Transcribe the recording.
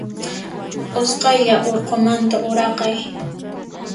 Usqaylla urqumanta uraqay.